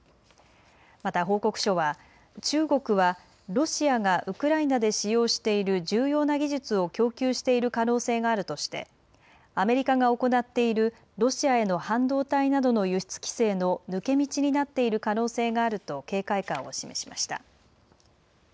また報告書は中国はロシアがウクライナで使用している重要な技術を供給している可能性があるとしてアメリカが行っているロシアへの半導体などの輸出規制の抜け道になっている可能性があると警戒感を示しました。